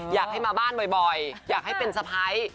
อยากให้มาบ้านบ่อยอยากให้เป็นสะพ้าย